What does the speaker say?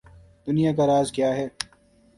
دنیا کا راز کیا ہے؟